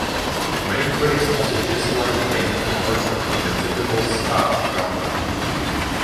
Many critics also disliked the band's departure from their typical ska genre.